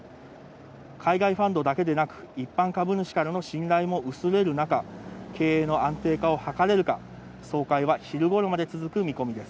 海外ファンドだけでなく、一般株主からの信頼も薄れる中、経営の安定化を図れるか総会は昼頃まで続く見込みです。